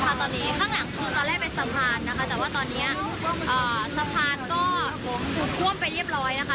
ไม่ได้เป็นสะพานนะคะแต่ว่าตอนนี้สะพานก็ถูกท่วมไปเรียบร้อยนะคะ